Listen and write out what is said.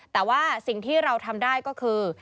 แต่ว่าสิ่งที่เราทำได้ก็คือ